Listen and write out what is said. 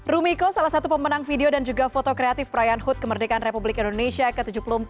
rumiko salah satu pemenang video dan juga foto kreatif perayaan hut kemerdekaan republik indonesia ke tujuh puluh empat